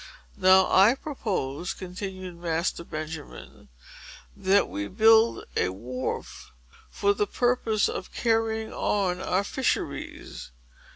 "Now I propose," continued Master Benjamin, "that we build a wharf, for the purpose of carrying on our fisheries.